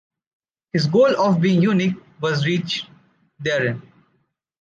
His goal of being unique was reached therein.